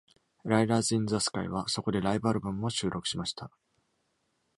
ライダーズ・イン・ザ・スカイは、そこでライブアルバムも収録しました。